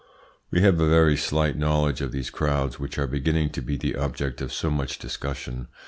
We have a very slight knowledge of these crowds which are beginning to be the object of so much discussion.